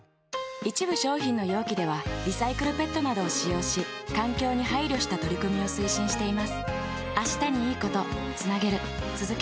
一部商品の容器ではリサイクルＰＥＴなどを使用し環境に配慮した取り組みを推進しています。